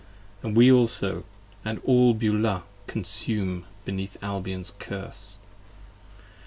And we also, & all Beulah, consume beneath Albion's curse.